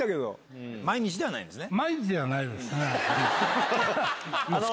毎日ではないんですね。